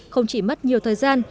không chỉ mất nhiều thời gian